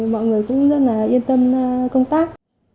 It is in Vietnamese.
mọi người cũng rất là yên tâm công tác